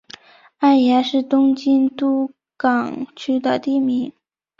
爱宕是东京都港区的地名。